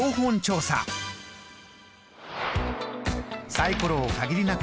サイコロを限りなく